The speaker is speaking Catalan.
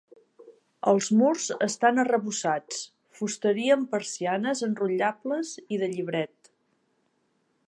Els murs estan arrebossats, fusteria amb persianes enrotllables i de llibret.